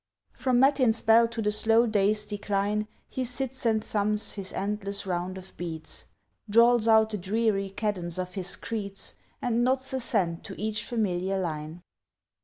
From matins' bell to the slow day's decline He sits and thumbs his endless round of beads, Drawls out the dreary cadence of his creeds And nods assent to each familiar line.